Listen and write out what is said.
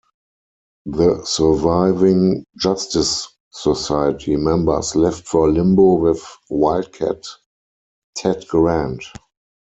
The surviving Justice Society members left for Limbo with Wildcat Ted Grant.